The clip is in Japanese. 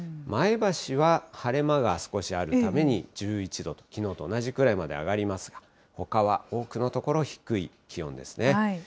前橋は晴れ間が少しあるために１１度と、きのうと同じくらいまで上がりますが、ほかは多くの所、低い気温ですね。